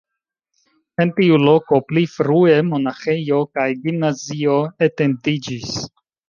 En tiu loko pli frue monaĥejo kaj gimnazio etendiĝis.